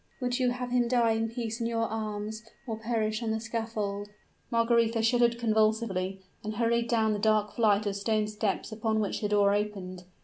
"Would you have him die in peace in your arms, or perish on the scaffold?" Margaretha shuddered convulsively, and hurried down the dark flight of stone steps upon which the door opened.